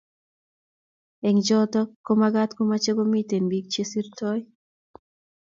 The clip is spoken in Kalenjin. eng chotovkomagaat komeche komiten biik chesirtoi